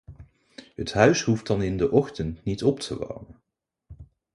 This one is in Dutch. Het huis hoeft dan in de ochtend niet op te warmen.